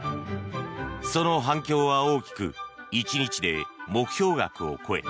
その反響は大きく１日で目標額を超え